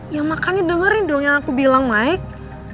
ya makannya dengerin dong yang aku bilang mike